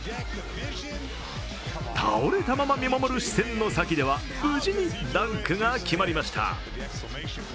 倒れたまま見守る視線の先では無事にダンクが決まりました。